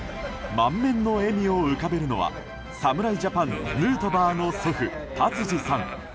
満面の笑みを浮かべるのは侍ジャパン、ヌートバーの祖父達治さん。